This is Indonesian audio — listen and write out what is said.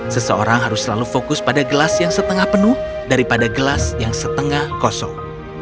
seseorang harus selalu fokus pada gelas yang setengah penuh daripada gelas yang setengah kosong